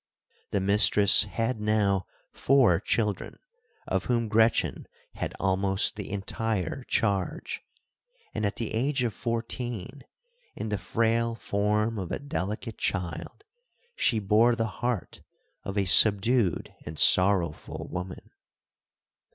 The mistress had now four children, of whom Gretchen had almost the entire charge; and, at the age of fourteen, in the frail form of a delicate child, she bore the heart of a subdued and sorrowful woman.